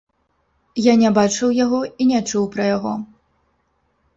Я не бачыў яго і не чуў пра яго.